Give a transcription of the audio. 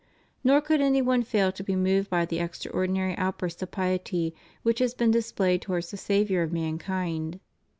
Nor could any one fail to be moved by the extraordinary outburst of piety which has been displayed towards the Saviour of mankind.